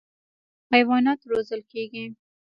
حیوانات روزل کېږي.